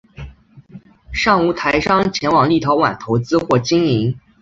尚无台商前往立陶宛投资或经营。